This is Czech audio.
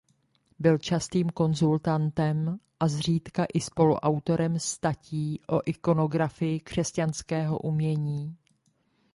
Byl častým konzultantem a zřídka i spoluautorem statí o ikonografii křesťanského umění.